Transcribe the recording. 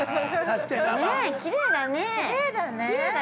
◆きれいだねー。